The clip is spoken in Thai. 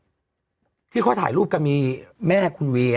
อเจมส์ที่เขาถ่ายรูปก็มีแม่คุณเวีย